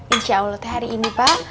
insya allah hari ini pak